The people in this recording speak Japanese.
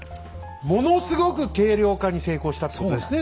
ものすごく軽量化に成功したっていうことですね